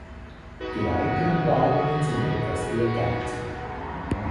Die weiteren Planungen sind etwas ehrgeiziger.